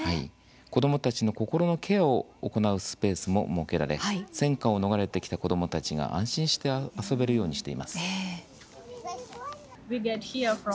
子どもたちの心のケアを行うスペースも設けられ戦火を逃れてきた子どもたちが安心して遊べるようにしています。